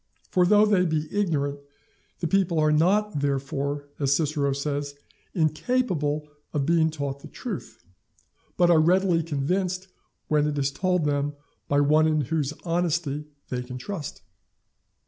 For though they be ignorant, the people are not therefore, as Cicero says, incapable of being taught the truth, but are readily convinced when it is told them by one in whose honesty they can trust.